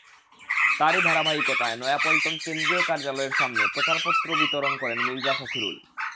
তারই ধারাবাহিকতায় নয়াপল্টন কেন্দ্রীয় কার্যালয়ের সামনে প্রচারপত্র বিতরণ করেন মির্জা ফখরুল।